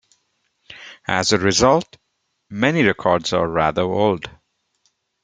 As a result, many records are rather old.